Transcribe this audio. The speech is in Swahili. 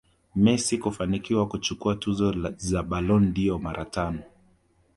Messi kafanikiwa kuchukua tuzo za Ballon dâOr mara tano